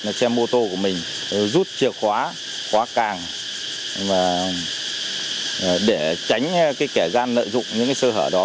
là che mô tô của mình rút chìa khóa khóa càng để tránh kẻ gian lợi dụng những sơ hở đó